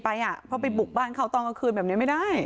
เพราะไปบุกบ้านเขาตอนกลางคืนแบบนี้ไม่ได้